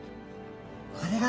これが。